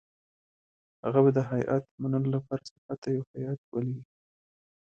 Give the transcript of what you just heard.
هغه به د هیات منلو لپاره سرحد ته یو هیات ولېږي.